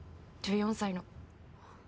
１４歳の。